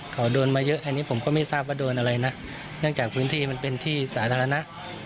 เขาโดนมาเยอะอันนี้ผมก็ไม่ทราบว่าโดนอะไรนะเนื่องจากพื้นที่มันเป็นที่สาธารณะ